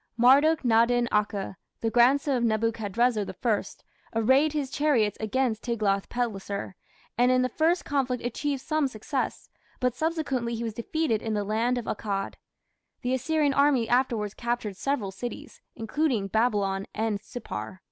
Marduk nadin akhe, the grandson of Nebuchadrezzar I, "arrayed his chariots" against Tiglath pileser, and in the first conflict achieved some success, but subsequently he was defeated in the land of Akkad. The Assyrian army afterwards captured several cities, including Babylon and Sippar.